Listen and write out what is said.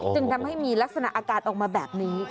จึงทำให้มีลักษณะอากาศออกมาแบบนี้